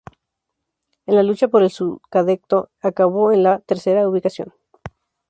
En la lucha por el "scudetto", acabó en la tercera ubicación.